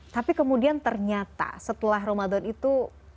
tapi kemudian ternyata setelah ramadan itu